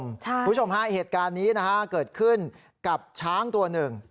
คุณผู้ชมฮะเหตุการณ์นี้นะฮะเกิดขึ้นกับช้างตัวหนึ่ง